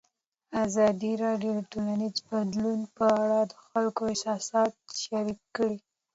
ازادي راډیو د ټولنیز بدلون په اړه د خلکو احساسات شریک کړي.